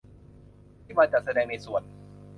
ที่มาจัดแสดงในส่วน